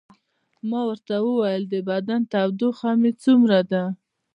ما ورته وویل: د بدن تودوخه مې څومره ده؟